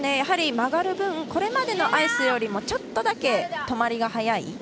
曲がる分これまでのアイスよりもちょっとだけ、止まりが早い。